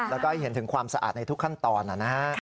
แล้วก็เห็นถึงความสะอาดในทุกขั้นตอนนะฮะ